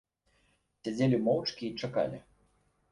Сядзелі моўчкі й чакалі.